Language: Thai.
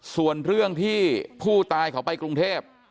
ส่วนเรื่องที่ผู้ตายเขาไปกรุงเทพ